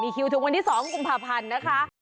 มีคิวถึงวันที่๒กรุงพหาพรรณนะคะ